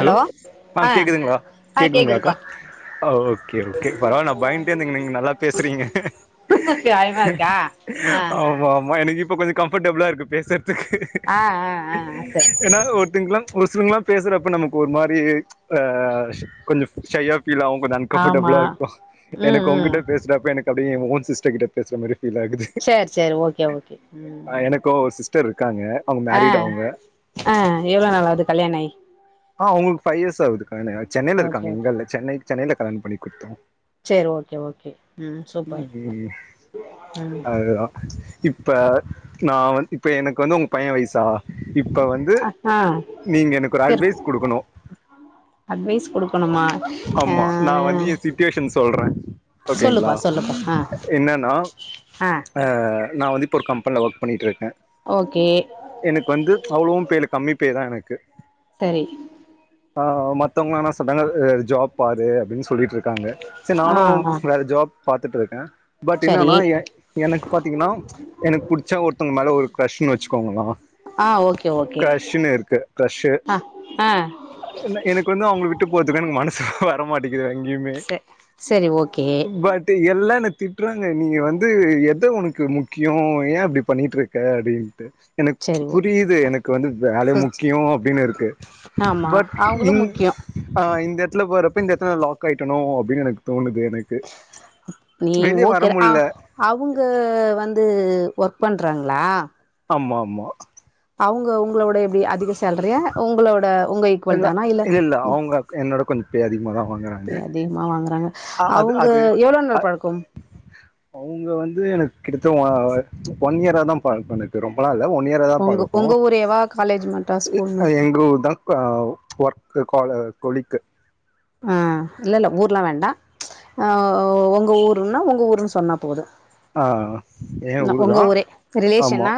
Hello அ ஆ கேக்குதுங்களா ஆ கேக்குதுங்களாக்கா கேக்குதுப்பா ஓகே ஓகே பரவால்ல நா பயந்துட்டே இருந்தங்க நீங்க நல்லா பேசுறீங்க பயமா இருக்கா ஆ ஆமாமா எனக்கு இப்ப கொஞ்சோ கம்ஃபோடபிள இருக்கு பேசுற ஆ ஆ ஆ சரி ஏனா சரி சரி ஒருத்திங்கலாம் ஒரு சிலர்ங்லாம் பேசறப்ப நமக்கு ஒரு மாரி அ ஸ் கொஞ்ச ஷையா ஃபீலாவு கொஞ்ச ஆமா அன்கம்போட்டபுளா இருக்கு ம் எனக்கு ம் உங்கிட்ட பேசறப்ப எனக் அப்டியே எ ஓன் சிஸ்டர் கிட்ட பேசற மாரி ஃபீல் ஆகுது சரி சரி ஓகே ஓகே ஆ எனக்கு சிஸ்டர் இருக்காங்க அவங்க மேரிட் அ அவங்க அ எவ்ளா நாளாது கல்யாணாயி ஆ அவுங்களுக்கு ஃபைவ் இயர்ஸ் ஆவுது கல்யாண ஆ சென்னைல ஓகே இருக்காங்க ஓகே இங்கில்ல சென்னை சென்னையில கல்யாணம் பண்ணி குடுத்தோ சரி ஓகே ஓகே ம் சூப்பர் ம் ம் அயயோ இப் இப்ப நா வந் இப்ப எனக்கு வந்து உங்க பைய்ய வய்சா இப்ப வந்து ஆ நீங்க எனக்கு ஒரு இருக்கு அட்வைஸ் குடுக்கணு அட்வைஸ் குடுக்கணுமா ஆ ஆமா நா வந்து எ சிட்டியேஷன் சொல்றே சொல்லுப்பா ஓகேங்களா சொல்லுப்பா ஆ என்னன்னா ஆ அ நா வந்து இப்பொரு கம்பென்ல ஒர்க் பண்ணிட்ருக்கே ஓகே எனக்கு வந்து அவ்ளோவும் பே இல்ல கம்மி பே தா எனக்கு சரி ஆ மத்தவுங்ளா என்ன சொல்றாங்க வேற ஜாப் பாரு அப்டின் சொல்லிட்டுருக் இருக்காங்க செரி ஆ நானு ஆ வேற ஜாப் பாத்துட்டு இருக்கே பட் சரி இன்னன்னா ஏ எனக்கு பாத்தீங்கன்னா எனக்கு புடிச்சா ஒருத்தவுங்க மேல ஒரு க்ரஷ்னு வச்சுக்கோங்களா ஆ ஓகே ஓகே க்ரஷனு இருக்கு க்ரஷு ஆ ஆ இன்ன எனக்கு வந்து அவுங்கள விட்டு போறதுக்கு எனக்கு மனசு வரமாட்டிக்குதா எங்கயுமே ச சரி ஓகே பட் ட்டு எல்லா என்ன திட்றாங்க நீ இங்க வந்து எத உனக்கு க்கு முக்கியோ ஏ அப்டி பண்ணிட்ருக்க அப்டின்ட்டு எனக் சரி ஓ புரியுது எனக்கு வந்து வேல சொச் முக்கியோ அப்புடினு இருக்கு ஆமா பட் அவங்களு இங் முக்கியோ ஆ இந்த எடத்துல வர்றப்ப இந்த எடத்துல லாக் ஆயிட்டனோ அப்டினு எனக்கு தோணுது எனக் க்கு வெளிய வர முட்ல அவுங்க வந்து ஒர்க் பண்றாங்ளா ஆமா ஆமா அவுங்க உங்களோட எப்டி அதிக சேலரியா உங்களோட உங்க ஈக்குவல் இல்ல தானா இல்லேல்ல அவுங்க என்னோட கொஞ்ச பே அதிகமா தா வாங்குறாங்க அதிகமா வாங்குறாங்க அவுங்க எவ்ளோ நாள் பழக்கம் அவுங்க வந்து எனக்கு கிட்டத்த ஓ ஒன் இயரா தா பழக்கோ எனக் ரொம்பலா இல்ல ஒன் இயரா தா உங்க பழக்கோ உங்க ஊரேவா காலேஜ் மட்டா ஸ்கூல் அ மட்டா எங்க ஊர்தா அ ஒர்க் கோல கொலிக்கு அ இல்லல்ல ஊர்லா வேண்டா ஆ உங்க ஊருன்னா உங்க ஊருன்னு சொன்னா போதும் ஆ ஏ ஊரு தா ஆமா ரிலேஷன்னா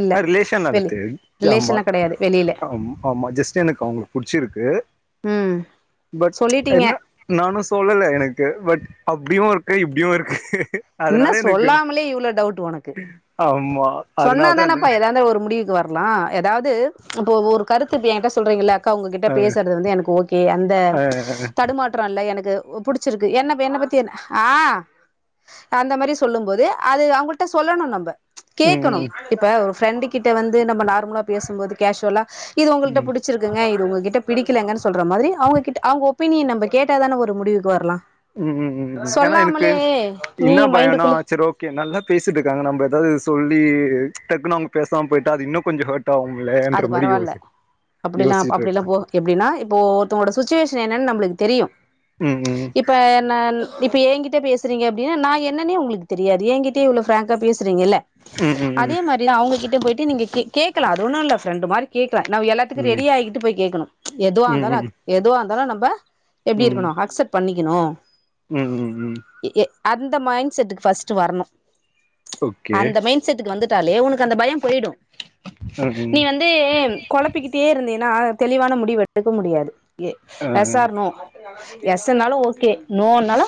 இல்ல ஆ ரிலேஷன் வெளி அதட்டு ரிலேஷன்லா தெம்மார்க் கெடையாது வெளியில ஆம் ஆமா ஜெஸ்ட் ட்டு எனக்கு அவுங்களுக்கு படிச்சுருக்கு ம் பட் சொல்லிட்டீங்க என்ன நானு சொல்லல எனக்கு பட் அப்டியு இருக்கு இப்டியு இருக்கு என்ன அதனால எனக்கு சொல்லாமலே இவ்ளோ டவுட்டு உனக்கு ஆமா சொன்னா அதனால தா இல்ல தானப்பா எதாருந்தாலு ஒரு முடிவுக்கு வரு இப்புல்லா எதாவது இப்ப ஒரு கருத்து இப்ப ஏ கிட்ட சொல்றீங்கல்ல அக்கா உங்ககிட்ட அ பேசுறது வந்து எனக்கு ஓகே அந்த அ தடுமாட் ட்றோ இல்ல எனக்கு புடிச்சுருக்கு என்னப் இப்ப என்ன பத்தி என்ன ஆ அந்த மாரி சொல்லும் போது அது அவுங்கள்ட்ட சொல்லணு நம்ப ம் கேக்கணு இப்ப ஒரு ஃப்ரெண்ட்டு கிட்ட வந்து நம்ம நார்மலா பேசும்போது கேஷுவலா இது உங்கள்ட புடுச் ம் புடிச்சுருக்குங்க இது உங்ககிட்ட பிடிக்கலேங்க சொல்ற மாதிரி அவுங்ககிட்ட அவுங்க ஒப்பீனியன் நம்ம கேட்டாதான ஒரு முடிவுக்கு வர்லா சொல்லாமலே இன்ன நீயே பயோனா மைண்டுக்குள்ளே சேர் ஓகே நல்லா பேசிட்ருக்காங்க நம்ப எதாது சொல்லி டக்குன்னு அவுங்க பேசாம போய்ட்டா அது இன்னு கொஞ்ச ஹேட் ஆகும் அது இல்லேன்ற மாரி பரவால்ல யோசி அப்டிலா யோசிச்சிட்ருக் அப்டிலா போ எப்டின்னா இப்போ ஒருத்தவுங்களோட சுச்சுவேஷன் என்னன்னு நம்மளுக்கு தெரியும் ம் ம் இப்ப நான் இப்பே எங்கிட்ட பேசுறீங்க அப்டினா நா என்னன்னே உங்களுக்கு தெரியாது எங்கிட்டேயு இவ்ளோ ப்ராங்கா பேசுறீங்க இல்ல ம் ம் ம் ம் ம் அதே மாரிதா அவுங்ககிட்ட பொயிட்டு நீங்க கேக் கேக்கலா அது ஒன்னு இல்ல ப்ரெண்ட்டு் மாரி கேக்லா நவ் எல்லாத் எல்லாத்துக்கு ரெடி ஆயிகிட்டு போய் கேக்கணு எதுவா இருந்தாலு ம் அக் எதுவா இருந்தாலு நம்ப எப்டி ம் இருக்கணு அக்சப் பண்ணிக்கணு ம் ம் ம் எ ஏ அந்த மைண்ட் செட்டுக் ஃபர்ஸ்ட்டு வரணு ஓகே அந்த மைண் செட்டுக்கு வந்துட்டாலே ஒனக்கு அந்த பயோ பொயிடு அ ஹ்ம் நீ வந்து கொழப்பிக்கிட்டே இருந்தீயன்னா தெளிவான முடிவு வெடுக்க முடியாது ஏ ஆ எஸ் ஆ ஆர் நோ எஸ்ஸுனாலு ஓகே நோனாலு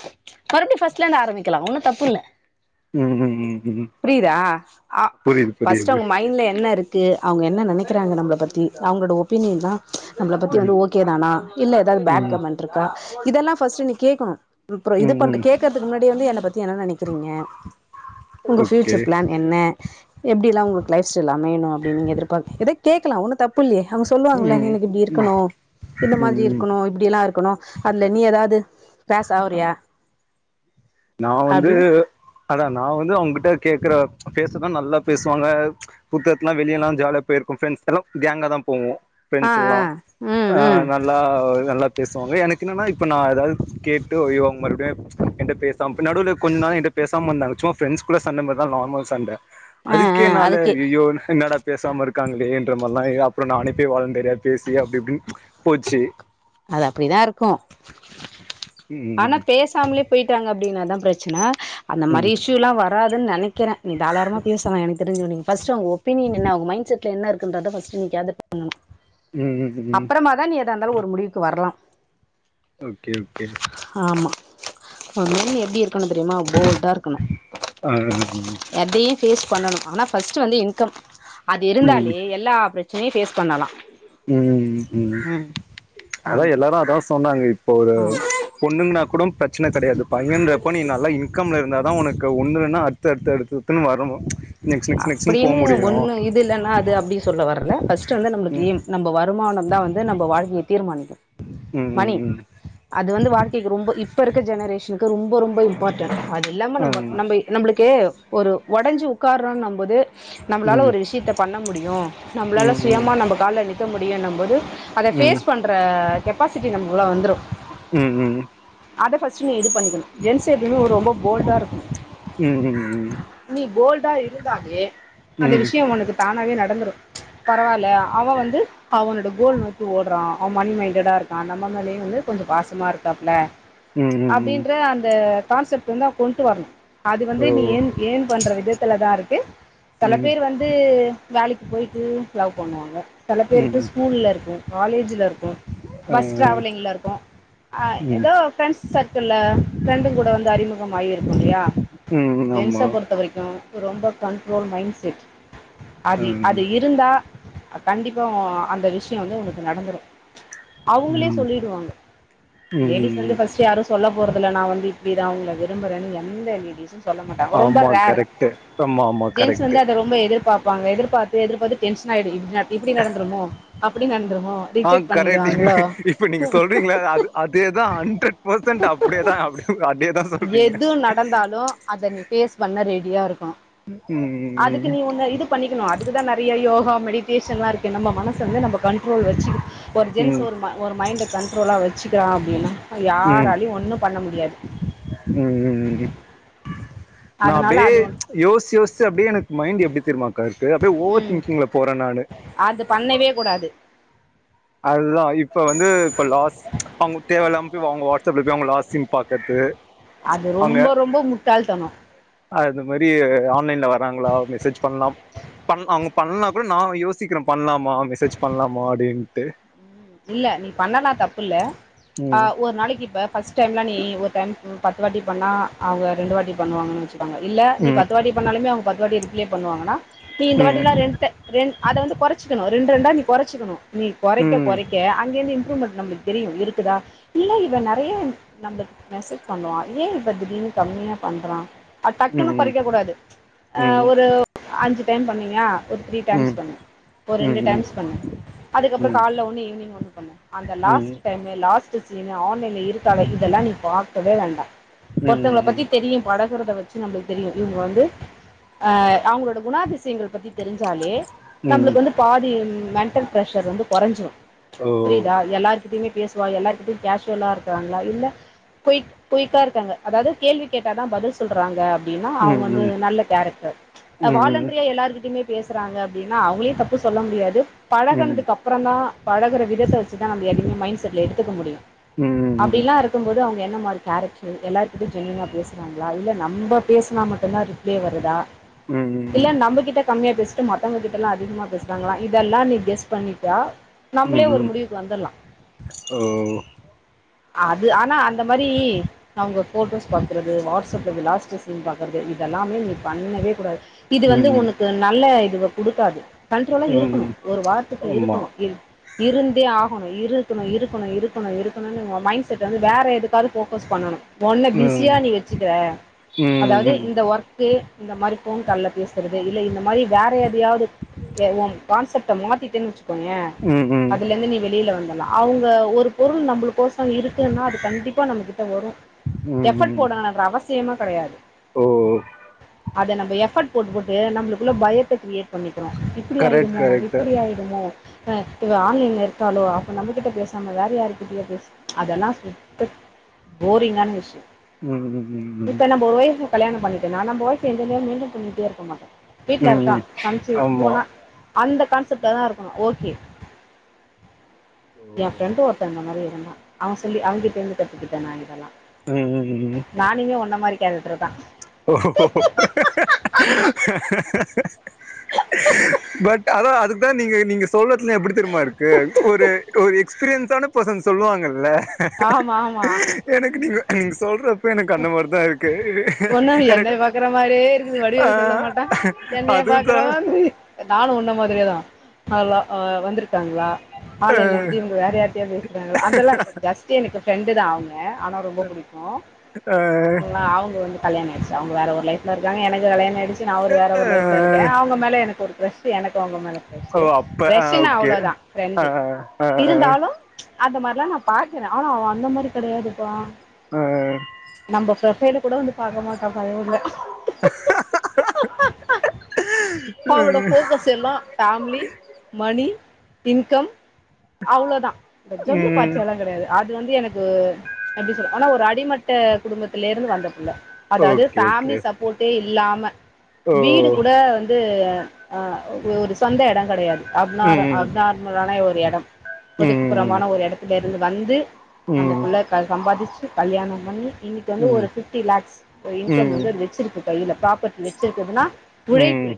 மறுபடியு ஃபர்ஸ்ட்லந்து ஆரம்பிக்கலா ஒன்னு தப்புல்ல ம் ம் ம் ம் புரிதா அ புரியுது ஃபர்ஸ்ட் புரியுது அவங்க மைண்ட்ல என்ன இருக் க்கு அவங்க என்ன நெனைக்கிறாங்க நம்பள பத்தி அவங்களோட ஒப்பீனியன்னா நம்பள பத்தி ம் வந்து ஓகே தானா இல்ல எதாவ்து பேட் ம் கமெண்ட் இருக்கா இதெல்லா ஃபர்ஸ்ட் நீ கேக்கணு பிப்புறோ இது ம் பண்ண ம் கேக்குறதுக்கு முன்னாடியே வந்து என்ன பத்தி என்ன நெனைக் க்றீங்க உங்க ஓகே பியூச்சர் பிளான் என்ன எப்டில்லா உங்களுக் லைஃப் ஸ்டைல் அமையணு அப்டின் நீங்க எதிர்பா எதா கேக்கலா ஒன்னு தப்புல்லையே அவங்க சொல்லுவாங்களா ம் எனக்கு இப்டி ம் இருக்கணு இந்த ம் மாதிரி ம் இருக்கணு னு இப்டில்லா இருக்கணு அதுல நீ எதாவது பேசாவுறியா நா வந்து அதா நா வந்து அவங்கிட்ட கேக்குற பேசதா நல்லா பேசுவாங்க சுத்ததுக்லா வெளியெல்லா ஜாலியா போயிருக்கோ ஃப்ரெண்ட்ஸ்ல்லா கேங்கதா போவோ ஆ ஆ ஃப்ரண்ட்ஸ்ஸெல்லா ம் அ ம் நல் ல்ல நல்லா பேசுவாங்க எனக்கு என்னனா இப்ப நா எதாவது கேட்டு ஐயோ அவங்க மறுபடியுமே என்ட்ட பேச தாம் நடுவுல கொஞ்ச நாள் என்ட்ட பேசாம இருந்தாங்க சும்மா ஃபிரண்ட்ஸ்க்குள்ள சண்ட மார்தா நார்மல் சண்ட ஆ அதுக்கே ஆ எனால அதுக்கே ஐயயோ என்னடா பேசாம இருக்காங்களே என்ற மாரிலா அப்பறோ நானேப்போய் வாலண்டரியா பேசி அப்டி இப்டின்னு போய்ச்சு அது அப்டிதா இருக்கு ம் ஆனா ம் பேச சாமலே போய்ட்டாங்க அப்டினாதா பிரச்சன அந்த மாரி ம் இஷ்யூலா வராதுன்னு நெனைக்கிற நீ தாளாரமா பேசலா எனக்கு தெறிஞ்சு நீங்க ஃபஸ்ட் அவங் ஒ ப்பினியன் என்ன அவங்க மைண்ட் செட்ல என்ன இருக்குன்றத ஃபர்ஸ்ட் நீ கேதர் பண்ணனு ம் ம் ம் அப்பறமாதா நீ எதா இருந்தாலு ஒரு முடிவுக்கு வரலா ஓகே ஓகே ஆமா உண்மைலே நீ எப்டி இருக்கணு தெரியுமா போல்டா இருக்கணு [unintelligible] எதையு ஃபேஸ் பண்ணனு ஆனா ஃபஸ்ட் வந்து இன்கம் அது ம் இருந்தாலே எல்லா பிர ச்சனையு ஃபேஸ் பண்ணலா ம் ம் ம் அதா ஆமா எல்லாரு அதா சொன்னாங்க இப்ப ஒரு ஆமா பொண்ணுங்ன்னா கூடோம் பிரச்சன கெடையாது பையன்றப்ப நீ நல்லா இன்கம்ல இருந்தாதா ஒனக் கு ஒன்னு இல்லன்னா அடுத்து அடுத்து அடுத்தத்துன்னு வருமோ அப்டின்னு ஒன்னு இது இல்லன்னா அது அப்டி சொல்ல வரல ஃபஸ்ட் வந்து நம்மளுக்கு ம் ஏம் நம் ம்ப வருமானந்தா வந்து நம்ப வாழ்க்கைய தீர்மானிக்கு மணி ம் ம் அது வந்து வாழ்க்கைக்கு ரொம்போ இப்ப இருக்க ஜெனரேஷனுக்கு ரொம்பொ ரொம்பொ இம்பார்ட்டன்ட் அது இல்லாம ம் ஆ நம்ப நம்ப நம்பளுக்கு ஒரு ஒடஞ்சி உக்காறோன்னம்போது நம்மளால ம் ம் ஒரு விஷயத்த பண்ண முடியு ம் நம்பளால சுயமா ம் நம்ப கால்ல நிக்க முடியுன்னம் போது அத ம் ம் ம் ஃபேஸ் பண்ற கெப்பாசிட்டி நமக்குள்ள வந்துரு ம் அத ஃபஸ்ட் நீ இது பண்ணிக்கனு ஜென்ஸ் எப்பைமே ஒரு ரொம்போ போல்டா இருக்கணு நீ போல்டா இருந்தாலே அந்த ம் விஷய ஒனக்கு தானாவே நடந்துரு பரவால்ல அவ வந்து அவனோட கோல் நோக்கி ஓடுறா அவ மணி மைண்டடா இருக்கா நம்ம மேலேயு வந்து கொஞ்சொ பாசமா இருக்காப்புல ம் ம் அப்டின் ம் ன்ற அந்த கான்செப்ட் வந்து அ கொண்டு வரணு அது ஓ வந்து நீ ஏர்ன் ஏர்ன் பண்ற விதத்துலதா இருக் செல ம் பேர் வந்து வேலைக்கு போயிட்டு லவ் பண்ணுவாங்க செல பேருக்கு ம் ஸ்கூல்ல இருக்கு காலேஜ்ல இருக்கு ஆ பஸ் டிராவலிங்ல இருக்கு ஆ ம் ம் எதோ ஃப்ரெண்ட்ஸ் சர்க்கிள்ல ஃப்ரெண்டு கூட வந்து அறிமுகமாயி இருக்குல்லையா ஜென்ச ஆமா பொறுத்த வரிக்கு ரொம்ப கண்ட்ரோல் மைண்ட் செட் ஆ அது அது இருந்தா கண்டிப்பா அந்த விஷயோ வந்து உங்களுக்கு நடந்துரு அவுங்ளே ம் சொல்லிடுவாங்க லேடிஸ் ம் வந்து ஃபஸ்ட் யாரு சொல்ல போறதுல நா வந்து இப்டிதா அவுங்கள விரும்பறேன்னு எந்த லேடிஸு சொல்ல மாட்டாங்க ரொம்ப ரார் டு தமாம் ஜென்ஸ் வந்து அத ரொம்ப எதிர்பாப்பாங்க எதிர்பாத்து எதிர்பாத்து டென்ஷனாயிடு இப்டி நடந்துருமோ அப்டி நடந்துருமோ ஆ ரிஜெக்ட் கரெக்ட் இப்ப பண்ணிடுவாங்களோ இப்ப நீங்க சொல்றீங்கள அது அதேதா ஹண்ட்ரட் பர்சன்ட் அப்டியேதா அப்டி அதேதா சொல்றீங்க எது நடந்தாலு அத நீ ஃபேஸ் பண்ண ரெடியா இருக்கணு ம்ஹும் அதுக்கு நீ ஒன்ன இது பண்ணிக்கணு அதுக்குதா நெறைய யோகா மெடிடேஷன்ல்லா இருக்கே நம்ம மனச வந்து நம்ப கண்ட்ரோல் வச்சு ஒரு ஜென்ஸ் ம் ஒரு ம ஒரு மைண்ட கண்ட்ரோலா வச்சுக்கிறா அப்டின்னா யாராலியு ஒன்னு பண்ண முடியாது ம் ம் ம் நா அதனால அப்டே அது ஒன்று யோஸ்ச்சு யோஸ்ச்சு அப்டே எனக்கு மைண்ட் எப்டி தெர்மாக்கா இருக்கு அப்டே ஓவர் ம் திங்கிங்ல போற நானு அது பண்ணவே கூடாது அதுதா இப்ப வந்து இப்ப லாஸ் அவுங்ளுக்கு தேவ இல்லாம போய் அவுங்க வாட்ஸ்அப்ல போய் அவுங்க லாஸ் சீன் பாக்கது அது ரொம்ப ரொம்ப முட்டாள் தனோ அது மாரி ஆன்லைன்ல வராங்களா மெசேஜ் பண்லாம் பண் அவுங்க பண்ணா கூட நா யோசிக்கிற பண்லாமா மெசேஜ் பண்லாமா அப்டின்ட்டு இல்ல நீ பண்ணலா தப்புல்ல அ ம் ஒரு நாளைக்கு இப்ப ஃபஸ்ட் டைம்லா நீ ஒரு டைம் பத்து வாட்டி பண்ணா அவங்க ரெண்டு வாட்டி பண்ணுவாங்கன்னு வச் இல்ல நீ ம் பத்து வாட்டி பண்ணாலுமே அவுங்க பத்து வாட்டி ரிப்ளே பண்ணுவாங்கன்னா நீ இந்த வாட்டிலா ம் ரெண்ட் ரெண் அத வந்து கொறச்சிக்கணு ரெண் ரெண்டா நீ கொறச்சிக்கணு நீ ம் கொறைக்க ம் கொறைக்க அங்கேந்து இம்ப்ரூமெண்ட் நம்பளுக்கு தெரியு இருக்குதா இல்ல இவ நெறைய நம்பளுக்கு மெசேஜ் பண்ணுவா ஏ இவ திடீர்னு கம்மியா பண்றா அது டக்குனு ம் கொறைக்க கூடாது ஆ ம் ஒரு ம் அஞ்சு டைம் பண்ணியா ஒரு த்ரீ டைம்ஸ் ம் பண்ணு ஒரு ரெண்டு ம் டைம்ஸ் பண்ணு அதுக்கப்பறோ கால்ல ஒன்னு ஈவினிங் ஒன்னு பண்ணு அந்த ம் லாஸ்ட் டைமு லாஸ்ட் சீனு ஆன்லைன்ல இருக்காள இதெல்லா நீ பாக்கவே வேண்டா ஒருத்தவங்கள ம் பத்தி தெரியு பழகுறத வச்சு நம்மளுக்கு தெரியு இவுங்க வந்து அ அவங்களோட குணாதிசயங்கள் பத்தி தெரிஞ்சாலே ம் ம் நம்மளுக்கு வந்து பாதி மென்டல் ப்ரெஷர் வந்து கொறஞ்சிரு ஓ புரிதா எல்லார்கிட்டயுமே பேசுவா எல்லார்கிட்டயு கேஷுவலா இருக்கறாங்களா இல்ல குய் குயிக்கா இருக்காங்க அதாவது கேள்வி கேட்டா தா பதில் சொல்றாங்க ஏன்னா அவுங்க ம் வந்து ம் ம் நல்ல கேரக்டர் ம் வாலண்ட்ரியா எல்லார்கிட்டிமே பேசுறாங்க அப்டின்னா அவுங்களியு தப்பு சொல்ல முடியாது ம் பழகுனதுக் அப்ற தா பழகுற விதத்த வச்சுதா நம்ம எதயுமே மைண்ட் செட்ல எடுத்துக்க முடியு அப்டிலா இரு கும்போது அவுங்க என்ன மாரி கேரக்ட்ரு எல்லார்கிட்டயு ஜெனியுனா பேசுறாங்களா இல்ல நம்ம பேசனா மட்டுதா ரிப் மே வருதா ம் இல்ல ம் நம்பகிட்ட கம்மியா பேஸ்ட்டு மத்தவங்ககிட்டெல்லா அதிகம பேசுறாங்களா இதெல்லா நீ கெஸ் பண்ணிட்டா நம்பளே ஒரு ம் முடிவுக்கு வந்தல்லா ஓ அது ஆனா அந்த மாரி நாங்க ஃபோட்டோஸ் பாக்குறது வாட்ஸப்ல லாஸ்ட்டு சீன் பாக் கற்து இதெல்லாமே நீ பண்ணவே கூடாது இது வந்து ம் உனக்கு நல்ல இதுவ குடுக்காது கண்ட்ரோலா இருக்கணு ம் ஒரு வார்த்துக்கு ஆமா இருக்கணு இ இருந்தே ஆகணு இருக்கணு இருக்கணு இருக்கணு இருக்கணுன்னு உங்க மைண் செட் வந்து வேற எதுக்காது போக்கஸ் பண்ணணு ஒன்ன ம் பிஸியா நீ வெச்சுக்கிற ம் அதாவ்து ம் இந்த ஒர்க்கு இந்த மாரி ஃபோன் கால்ல பேசுறது இல்ல இந்த மாரி வேற எதுலியாவ்து ஏ உ கான்சப்ட்ட மாத்திட்டேன் வெச்சுக்கோயே ம் ம் தலந்து நீ வெளியில வந்தல்லா அவுங்க ஒரு பொருள் நம்பளுக்கோசோ இருக்குன்னா அது கண்டிப்பா நம்ம கிட்ட வரு ம் எஃபட் ம் போடுனங்கன்ற அவசியமா கெடையாது ஓ அத நம்ப எஃபட் போட்டு போட்டு நம்ப்ளுக்குள்ள பயத்த க்ரியேட் பண்ணிக்கிறோ இப்பிடி கரெக்ட் ஆயிடுமோ கரெக்ட் இப்படி ஆயி டுமோ அ இவ ஆன்லைன்ல இருக்காலோ அப்ப நம்பகிட்ட பேசாம வேற யாருக்கிட்டயோ பேச அதெல்லா சுத்த போரிங்கான விஷ்யு ம் ம் ம் ம் இப்ப நம்ப ஒய்ஃபு கல்யாணம் பண்ணிட்டேனா நம்ப ஒய்ஃபு எந்த நேரம் மெய்ன்டென் பண்ணிட்டே இருக்க மாட்டோ வீட்ல இருக்கா ம் சம்ச்சு ஆமா போனா அந்த கான்செப்ட்லதா இருக்கணு ஓகே ஓ எ ஃப்ரெண்டு ஒருத்த இந்த மாரி இருந்தா அவ சொல்லி அவங்கிட்ட இருந்து கத்துக்கிட்ட நா இதெல்லா அ ம் ம் ம் ம் நானுமே உன்ன மாரி கேரக்டர்தா ஓ பட் அதா அதுதா நீங்க நீங்க சொல்லத்லா எப்படி தெரிம்மா இருக்கு ஒரு ஒரு எக்ஸ்பீரியன்ஸான பேசன் சொல்லுவாங்கல்ல ஆமா ஆமா எனக்கு நீங்க நீங்க சொல்றப்ப எனக்கு அந்த மார்தா இருக்கு ன்ன என்னெய கரெக்ட் பாக்குற மாரியே இருக்குது ஆ வடிவேலு சொல்ல மாட்டா என்னையே பாக்குற அதுதா மாதிரி நானு உன்ன மாதிரியேதா அதெல்லா அ வந்திருக்காங்ளா ஆ ஆன்லைன்ல இருக்கு இவங்க வேற யார்ட்டயாத் பேசுறாங்களா அதெல்லா ஜஸ்ட்டு எனக்கு ஃப்ரெண்டுதா அவுங்க ஆனா ரொம்போ பு டிக்கு ஆ ன்னா அவுங்க வந்து கல்யாண ஆய்ட்ச்சு அவங்க வேற ஒரு லைஃப்ல இருக்காங்க எனக்கு கல்யாண ஆய்டுச் சு நா ஒரு வேற ஒரு லைஃப்ல இருக்கே ஆ அவுங்க மேல எனக்கு ஒரு ஃக்ரஷ் கு எனக்கு அவ்ங்க மேல ஓ க்ரஷ்ஷு அப்ப ஆ க்ரஷுன்னா ஓகே அவ்ளோ தா ஆ ஃப்ரெண்டு ஆ இருந்தாலு அந்த மார்ல்லா நா பாக்குறே ஆனா அவ அந்த மாரி கெடையாதுப்பா அ நம்ப ப்ரொஃபைல கூட வந்து பாக்க மாட்டா பயபுள்ள அவரோட ஃபோக்கஸ் எல்லா ஃபேமில மணி இன்கம் அவ்ளோதா இந்த ஜொல்லு ம் பார்ட்டியெல்லா கெடையாது அது வந்து எனக்கு எப்டி சொல்ல ஆனா ஒரு அடிமட் ட குடும்பத்தில இருந்து வந்த புள்ள அதாவ்து ஓகே ஓகே ஃபேம்லி சப்போட்டே இல்லாம ஓ வீடு கூட வந்து அ ஒ ஒரு சொந்த எடங் கெடயாது அப்னார் ம் அப்னார்மலான ஒரு எடம் ம் ஒதுக்குப்புறமான ஒரு எடத்துல இருந்து வந்து அந்த ம் புள்ள க சம்பாதிச்சு கல்யாணம் பண்ணி இன்னிக் கி வந்து ம் ஒரு ஃபிஃப்டி லாக்ஸ் ஒரு இன்கம் ம் வந்து அது வெச்சிருக்கு கைல பிராப்பர்டி வெச்சிருக்குதுன்னா உழைப்பு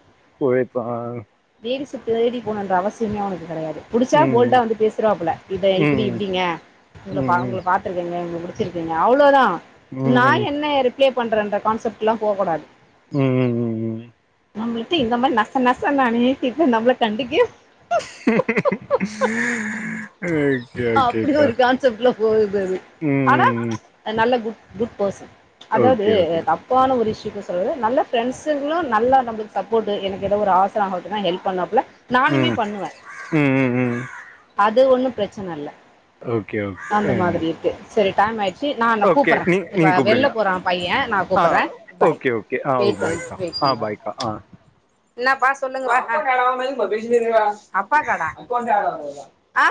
உழைப்பு அ ஆங் லேடீச தேடி போணுன்ற அவசியமே அவனுக்கு கெடையாது புடிச்சா ம் போல்டா வந்து பேசிருவாப்புல இத ம் இப்டி ம் இப்டிங்க உங்கள பா ம் உங்கள பாத் ருக்கங்க உங்கள புடிச்சிருக்குங்க அவ்ளோதா ம் நா ம் என்ன ரிப்ளே பண்றேன்ற கான்செப்ட் எல்லா போக் கூடாது. ம் ம் ம். ம் நம்புளுக்கு இந்த மாரி நச நச [unintelligible] நம்ப்ள கண்டுக்வே ஓகே அப்டி ஓகேக்கா ஒரு கான்செப்ட்ல போவுது அது. ஆனா ம் அ நல்ல குட் குட் பெசன் அதவ்து ஓகே ஓகே த ப்பான ஒரு இஷ்யூக்கு சொல்லல நல்ல ஃப்ரெண்ஸுங்குளு நல்ல நம்புளுக் சப்போட்டு எனக்கு எதோ ஒரு ஆசரோ [unintelligible] ஹெல்ப் பண்ணுவாப்புல. ம் ம் ம் ம். அது ஒன்னு பிரச்சின இல்ல ஓகே ஓகே அந்த ஆ மாதிரி இருக்கு செரி டைம் ஆயிட் ச்சி நானு ஓகே கூப்பறே நீ இப்போ நீங்க வெள்ல கூப்பிடுங்க போறா பைய நா ஆ கூப்பறே பாய். அ அ. என்னாப்பா சொல்லுங்க ஹ